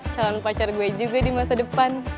calon pacar gue juga di masa depan